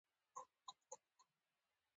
افغانستان په کندز سیند غني دی.